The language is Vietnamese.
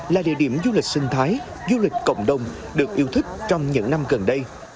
là địa điểm du lịch sinh thái du lịch cộng đồng được yêu thích trong những năm gần đây